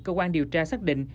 cơ quan điều tra xác định